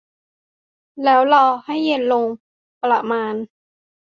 แล้วรอให้เย็นลงประมาณ